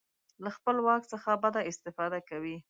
له خپل واک څخه بده استفاده کوي.